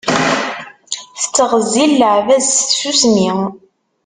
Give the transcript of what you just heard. Tettɣezzil leɛbad s tsusmi.